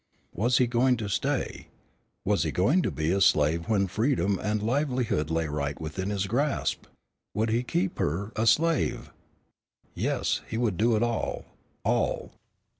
Was he going to stay? Was he going to be a slave when freedom and a livelihood lay right within his grasp? Would he keep her a slave? Yes, he would do it all all.